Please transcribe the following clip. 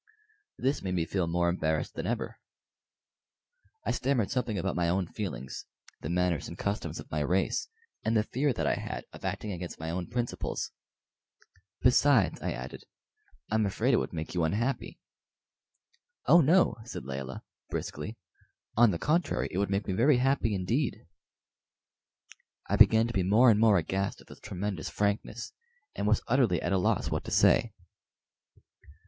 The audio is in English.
This made me feel more embarrassed than ever. I stammered something about my own feelings the manners and customs of my race and the fear that I had of acting against my own principles. "Besides," I added, "I'm afraid it would make you unhappy." "Oh no," said Layelah, briskly; "on the contrary, it would make me very happy indeed." I began to be more and more aghast at this tremendous frankness, and was utterly at a loss what to say.